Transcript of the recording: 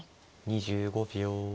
２５秒。